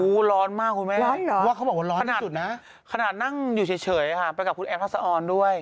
โอ้วร้อนมากคุณแม่ขนาดนั่งอยู่เฉยไปกับคุณแอมป์ทัศน์ด้วย